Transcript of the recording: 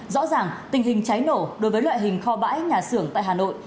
rõ ràng tình hình cháy nổ đối với loại hình kho bãi nhà xưởng tại hà nội